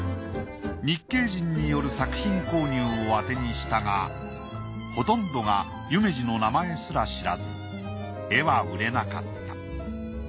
日系人による作品購入をあてにしたがほとんどが夢二の名前すら知らず絵は売れなかった。